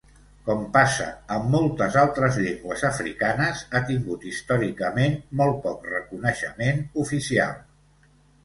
Com passa amb moltes altres llengües africanes, ha tingut històricament molt poc reconeixement oficial.